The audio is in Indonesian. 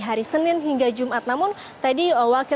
hari senin hingga jumat namun tadi wakil